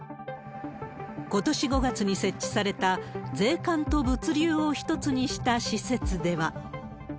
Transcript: ことし５月に設置された税関と物流を一つにした施設では。